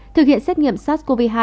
thực hiện xét nghiệm sars cov hai